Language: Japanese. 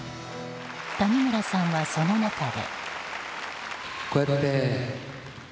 谷村さんはその中で。